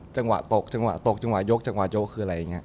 จังหวะตกจังหวะตกจังหวะยกจังหวะยกคืออะไรอย่างนี้